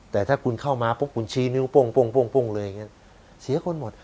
แต่ถ้าคุณเข้ามาปุ๊บคุณชี้นิ้วปุ้งปุ้งปุ้งปุ้งเลยอย่างเงี้ยเสียคนหมด